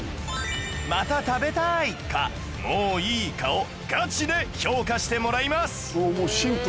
「また食べたい」か「もういい」かをガチで評価してもらいます